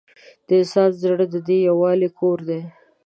د انسان زړه د دې یووالي کور دی.